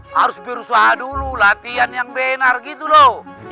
harus berusaha dulu latihan yang benar gitu loh